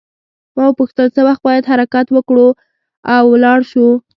ما وپوښتل څه وخت باید حرکت وکړو او ولاړ شو.